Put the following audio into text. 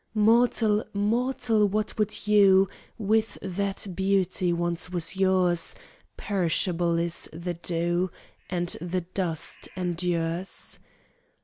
"Mortal, mortal, what would you With that beauty once was yours? Perishable is the dew, And the dust endures."